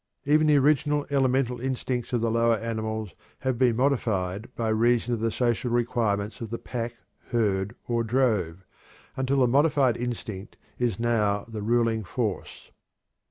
Even the original elemental instincts of the lower animals have been modified by reason of the social requirements of the pack, herd, or drove, until the modified instinct is now the ruling force.